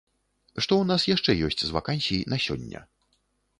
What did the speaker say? Што ў нас яшчэ ёсць з вакансій на сёння?